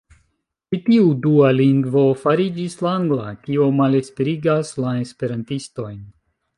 Ĉi tiu dua lingvo fariĝis la angla, kio malesperigas la esperantistojn.